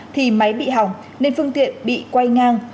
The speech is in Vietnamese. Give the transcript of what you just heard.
thì máy bị hỏng nên phương tiện bị quay ngang